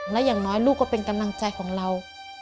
และอย่างน้อยลูกก็เป็นกำลังใจของเรา